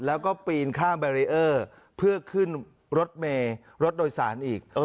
แล้วก็ปีนข้ามแบรีเออร์เพื่อขึ้นรถเมย์รถโดยสารอีก